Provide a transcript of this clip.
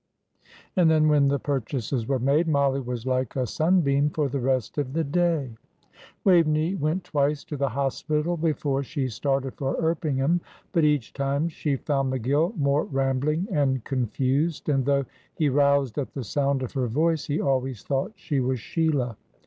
And then, when the purchases were made, Mollie was like a sunbeam for the rest of the day. Waveney went twice to the Hospital before she started for Erpingham, but each time she found McGill more rambling and confused; and though he roused at the sound of her voice, he always thought she was Sheila.